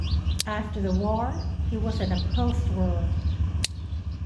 After the war he was an upholsterer.